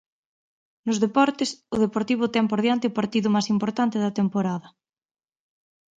Nos deportes, o Deportivo ten por diante o partido máis importante da temporada.